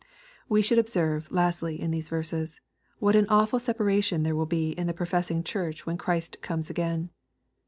We should observe, lastly, in these verses, what an awful separation there will he in the professing Church when Christ comes again.